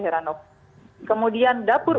herano kemudian dapur